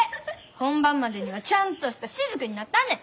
本番までにはちゃんとした滴になったんねん！